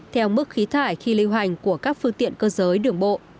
theo mức khí thải khi lưu hành của các phương tiện cơ giới đường bộ